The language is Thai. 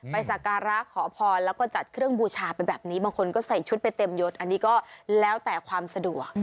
สักการะขอพรแล้วก็จัดเครื่องบูชาไปแบบนี้บางคนก็ใส่ชุดไปเต็มยดอันนี้ก็แล้วแต่ความสะดวก